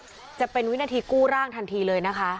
ช่วยชวิตจะเป็นวินาทีกู้ร่างทันทีเลยนะคะ